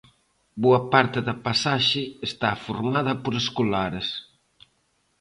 Boa parte da pasaxe está formada por escolares.